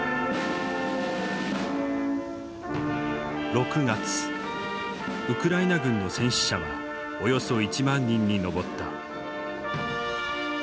６月ウクライナ軍の戦死者はおよそ１万人に上った。